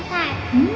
うん！